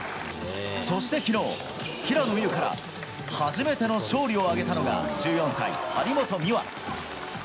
そしてきのう、平野美宇から初めての勝利を挙げたのが１４歳、張本美和。